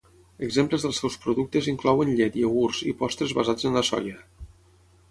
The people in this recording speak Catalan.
Exemples dels seus productes inclouen llet, iogurts i postres basats en la soia.